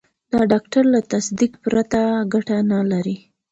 د ډاکټر له تصدیق پرته ګټه نه لري.